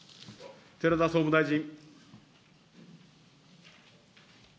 寺田総務大臣。